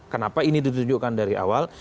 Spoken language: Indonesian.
kenapa ini ditunjukkan dari awal